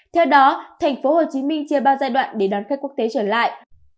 theo đó thành phố hồ chí minh chia ba giai đoạn để đón khách quốc tế trở lại